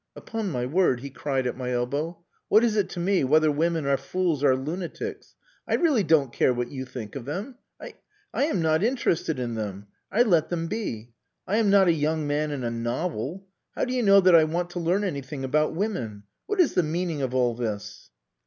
"Upon my word," he cried at my elbow, "what is it to me whether women are fools or lunatics? I really don't care what you think of them. I I am not interested in them. I let them be. I am not a young man in a novel. How do you know that I want to learn anything about women?... What is the meaning of all this?"